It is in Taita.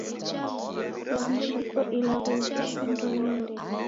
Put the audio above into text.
Dejhiko ilagho iw'ishi ndoenyi